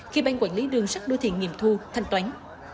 khi ban quản lý đường sắt đô thị nghiệm thu thanh toán